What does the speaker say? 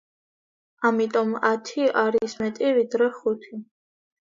ამიტომ ათი არის მეტი, ვიდრე ხუთი.